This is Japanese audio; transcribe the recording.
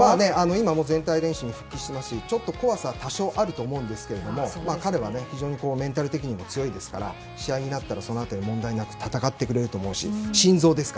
今、全体練習に復帰していますし多少怖さはあると思いますが彼はメンタル的にも強いですから、試合になったらその辺り問題なく戦ってくれると思います。